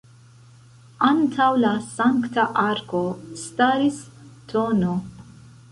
Antaŭ la Sankta Arko staris tn.